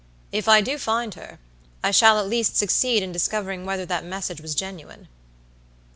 "If I do find her, I shall at least succeed in discovering whether that message was genuine."